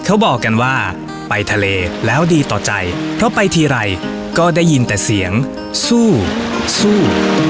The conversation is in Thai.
เขาบอกกันว่าไปทะเลแล้วดีต่อใจเพราะไปทีไรก็ได้ยินแต่เสียงสู้สู้